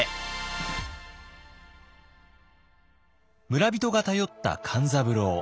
村人が頼った勘三郎。